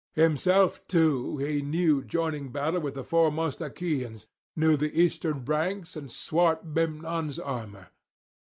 Himself too he knew joining battle with the foremost Achaeans, knew the Eastern ranks and swart Memnon's armour.